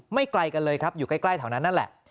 ไกลกันเลยครับอยู่ใกล้แถวนั้นนั่นแหละ